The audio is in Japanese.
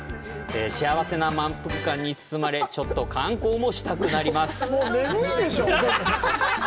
幸せな満腹感に包まれ、ちょっと観光もしたくなります。